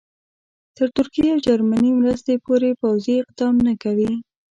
تر ترکیې او جرمني مرستې پورې پوځي اقدام نه کوي.